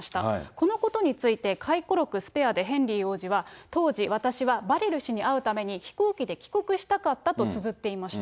このことについて、回顧録、ＳＰＡＲＥでヘンリー王子は、当時、私はバレル氏に会うために飛行機で帰国したかったとつづっていました。